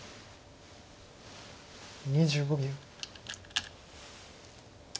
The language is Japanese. ２５秒。